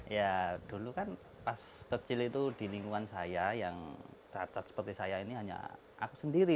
ya dulu kan pas kecil itu di lingkungan saya yang cacat seperti saya ini hanya aku sendiri